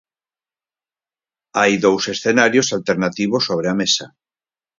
Hai dous escenarios alternativos sobre a mesa.